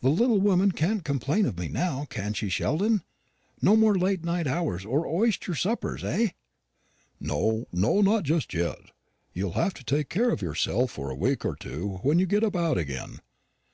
The little woman can't complain of me now, can she, Sheldon? No more late hours, or oyster suppers, eh?" "No, no, not just yet. You'll have to take care of yourself for a week or two when you get about again."